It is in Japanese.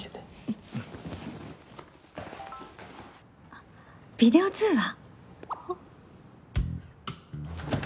あっビデオ通話！